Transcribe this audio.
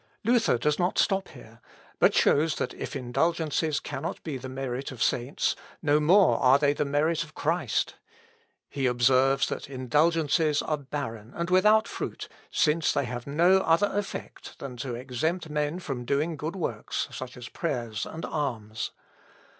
Luther does not stop here, but shows that if indulgences cannot be the merit of saints, no more are they the merit of Christ. He observes, that indulgences are barren and without fruit, since they have no other effect than to exempt men from doing good works, such as prayers and alms.